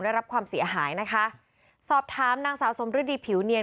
ได้รับความเสียหายนะคะสอบถามนางสาวสมฤดีผิวเนียน